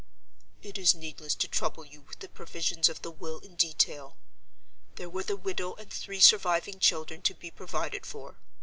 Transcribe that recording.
"It is needless to trouble you with the provisions of the will in detail. There were the widow and three surviving children to be provided for.